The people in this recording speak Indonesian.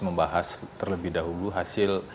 membahas terlebih dahulu hasil